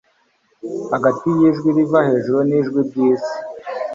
hagati yijwi riva hejuru nijwi ryisi